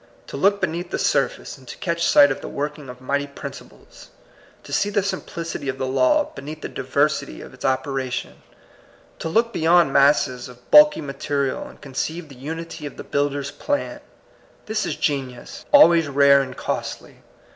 To look beneath the sur face, and to catch sight of the working of mighty principles; to see the simplicity of the law beneath the diversity of its ope ration; to look beyond masses of bulky material, and conceive the unity of the builder's plan, — this is genius, always rare and costly.